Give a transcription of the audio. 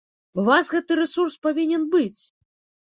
У вас гэты рэсурс павінен быць!